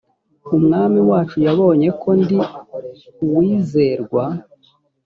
umwami wacu yabonye ko ndi uwizerwa